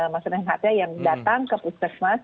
maksudnya yang datang ke puskesmas